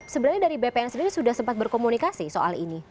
sebenarnya dari bpn sendiri sudah sempat berkomunikasi soal ini